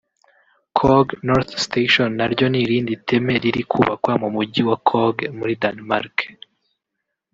Køge North Station naryo n’irindi teme riri kubakwa mu Mujyi wa Køge muri Denmark